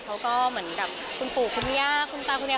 เขาก็เหมือนกับคุณปู่คุณย่าคุณตาคุณยาย